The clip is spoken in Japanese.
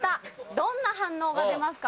どんな反応が出ますか？」。